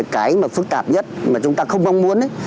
cái mà phức tạp nhất mà chúng ta không mong muốn